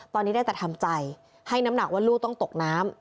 ตอนนี้ได้แต่ทำใจให้น้ำหนักว่าลูกต้องตกน้ำ